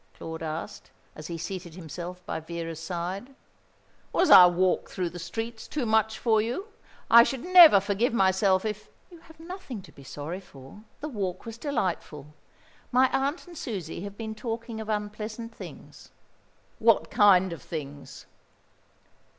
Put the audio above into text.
Claude asked, as he seated himself by Vera's side. "Was our walk through the streets too much for you? I should never forgive myself if " "You have nothing to be sorry for. The walk was delightful. My aunt and Susie have been talking of unpleasant things." "What kind of things?"